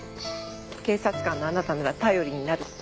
警察官のあなたなら頼りになるって。